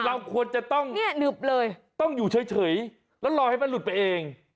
เราควรจะต้องอยู่เฉยแล้วรอให้มันหลุดไปเอง